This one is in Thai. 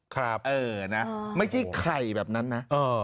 ครับเออนะไม่ใช่ไข่แบบนั้นนะ